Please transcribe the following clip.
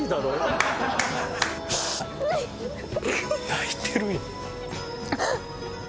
泣いてるやん。